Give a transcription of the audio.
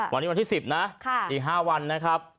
วันนี้วันที่๑๐นะอีก๕วันนะครับ